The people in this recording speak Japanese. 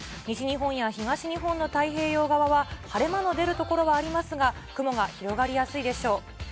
西日本や東日本の太平洋側は、晴れ間の出る所はありますが、雲が広がりやすいでしょう。